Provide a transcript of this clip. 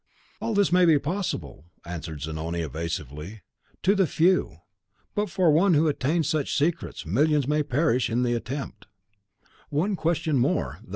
"All this may be possible," answered Zanoni, evasively, "to the few; but for one who attains such secrets, millions may perish in the attempt." "One question more.